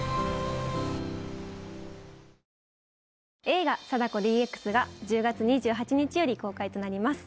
映画「貞子ＤＸ」が１０月２８日より公開となります